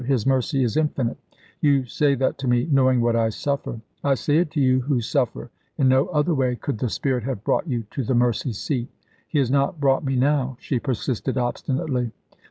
His mercy is infinite." "You say that to me, knowing what I suffer." "I say it to you who suffer. In no other way could the Spirit have brought you to the mercy seat." "He has not brought me now," she persisted obstinately.